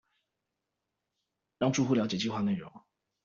讓住戶瞭解計畫內容